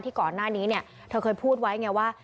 ก่อนหน้านี้เนี่ยเธอเคยพูดไว้ไงว่า